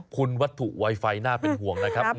คุณวัตถุไวไฟน่าเป็นห่วงนะครับ